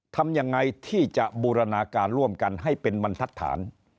ทำยังไงที่จะบูรณาการร่วมกันให้เป็นบรรทัศน